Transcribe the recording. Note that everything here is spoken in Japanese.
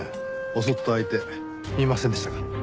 襲った相手見ませんでしたか？